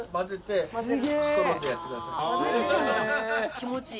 気持ちいい。